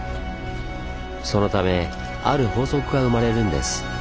そのためある法則が生まれるんです。